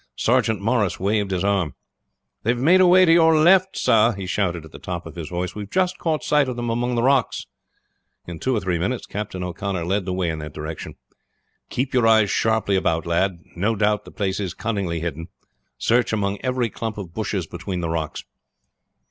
Sergeant Morris waved his arm. "They have made away to your left, sir!" he shouted at the top of his voice. "We have just caught sight of them among the rocks!" In two or three minutes Captain O'Connor led the way in that direction. "Keep your eyes sharply about, lads. No doubt the place is cunningly hidden. Search among every clump of bushes between the rocks."